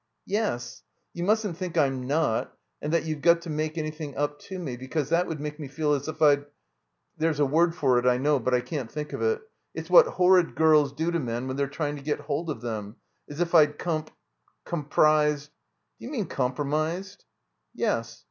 "Yes. You mustn't think I'm not and that you've got to make an3rthing up to me, because that would make me feel as if I'd — ^there's a word for it, I know, but I can't think of it. It's what horrid girls do to men when they're trying to get hold of them — as if I'd comp — comprised —"'' D'you mean compromised ?'' "Yes."